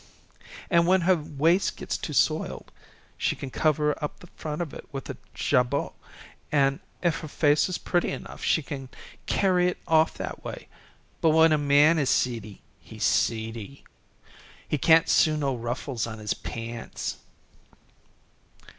An' when her waist gets too soiled she can cover up the front of it with a jabot, an' if her face is pretty enough she can carry it off that way. But when a man is seedy, he's seedy. He can't sew no ruffles on his pants."